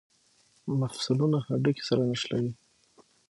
مفصلونه هډوکي سره نښلوي